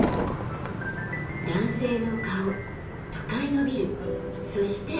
男性の顔都会のビルそして文字。